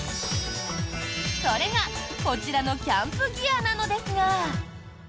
それが、こちらのキャンプギアなのですが。